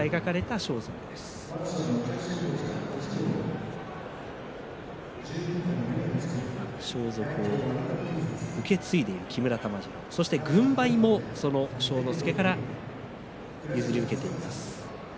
装束を受け継いでいる木村玉治郎軍配も庄之助から譲り受けています。